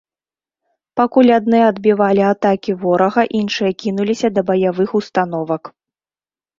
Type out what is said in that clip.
Пакуль адны адбівалі атакі ворага, іншыя кінуліся да баявых установак.